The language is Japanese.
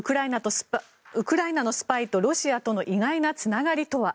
ウクライナのスパイとロシアとの意外なつながりとは。